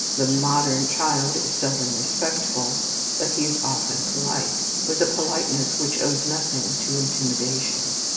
The modern child is seldom respectful, but he is often polite, with a politeness which owes nothing to intimidation.